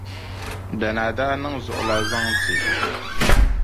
Danaa daa niŋ la zuɣulana zaŋ ti.